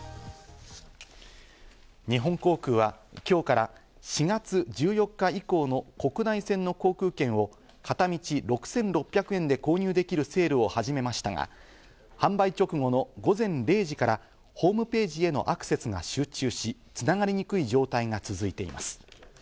日本航空は今日から４月１４日以降の国内線の航空券を片道６６００円で購入できるセールを始めましたが、販売直後の午前０時からホームページへのアクセスが集中し、つながりにくい状態が続いています。